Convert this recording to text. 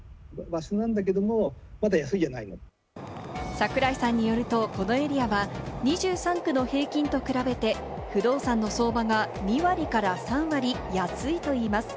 櫻井さんによると、このエリアは２３区の平均と比べて不動産の相場が２割から３割安いといいます。